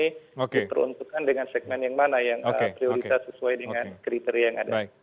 diperuntukkan dengan segmen yang mana yang prioritas sesuai dengan kriteria yang ada